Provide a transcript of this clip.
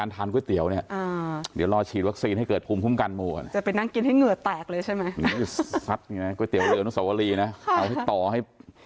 เป็นอย่างงี้เลยนะค่ะ